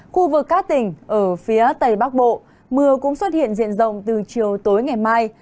khu vực các tỉnh ở phía tây bắc bộ mưa cũng xuất hiện diện rộng từ chiều tối ngày mai